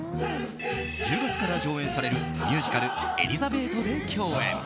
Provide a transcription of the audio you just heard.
１０月から上演されるミュージカル「エリザベート」で共演。